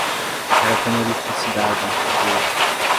Era como eletricidade em suas veias.